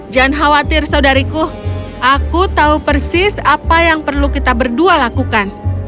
jangan khawatir saudariku aku tahu persis apa yang perlu kita berdua lakukan